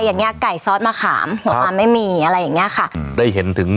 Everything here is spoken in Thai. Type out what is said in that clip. อย่างเงี้ไก่ซอสมะขามหัวปลาไม่มีอะไรอย่างเงี้ยค่ะอืมได้เห็นถึง